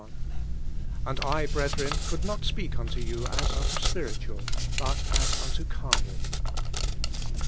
— Audi, brethren, could not speak unto you as unto spiritual, but as unto carnal.